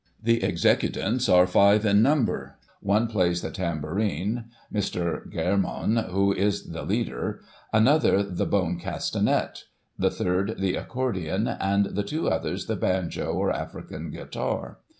The executants are five in number ; one plays the tambourine, Mr. Germon, who is the leader ; another the bone castanet; the third, the accordion; and the two others, the banjo, or African guitar.